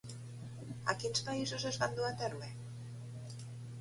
A quins països es van dur a terme?